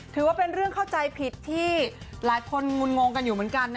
ถือว่าเป็นเรื่องเข้าใจผิดที่หลายคนงุ่นงงกันอยู่เหมือนกันนะ